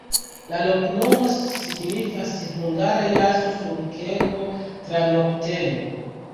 La loknomo signifas hungare jaso-sulkego-tranoktejo.